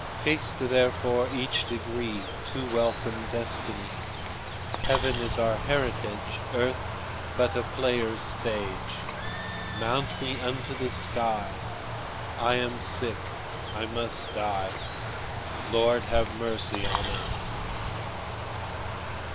Haste therefore each degree To welcome destiny; Heaven is our heritage, Earth but a player's stage. Mount we unto the sky; I am sick, I must die Lord, have mercy on us!